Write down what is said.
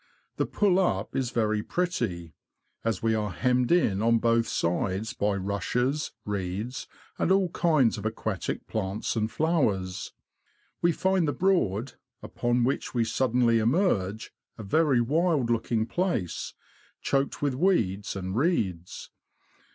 The pull up is very pretty, as we are hemmed in on both sides by rushes, reeds, and all kinds of aquatic plants and flowers. We find the Broad, upon which we suddenly emerge, a very wild looking place, choked with weeds and reeds.